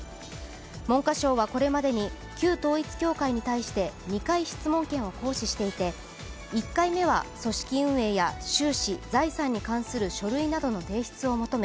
文科省はこれまでに、旧統一教会に対して、２回、質問権を行使していて、１回目は組織運営や収支・財産に関する書類などの提供を求め